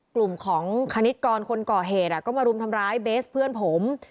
กลุ่มของคณิตกรคนก่อเหตุก็มารุมทำร้ายเบสเพื่อนผม